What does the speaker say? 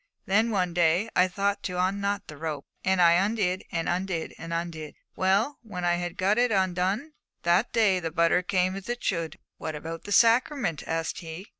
Then, one day, I thought to unknot the rope, and I undid, and undid, and undid. Well, when I had got it undone, that day the butter came as it should!' 'But what about the sacrament?' asked he.